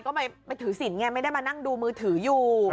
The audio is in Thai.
ก็ไปถือสินไงไม่ได้มานั่งดูมือถืออยู่